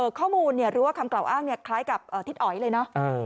เอ่อข้อมูลเนี้ยหรือว่าคำเกล่าอ้างเนี้ยคล้ายกับเอ่อทิศอ๋อยเลยน่ะเออ